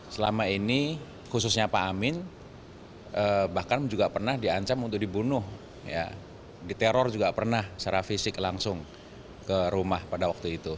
selama ini khususnya pak amin bahkan juga pernah diancam untuk dibunuh diteror juga pernah secara fisik langsung ke rumah pada waktu itu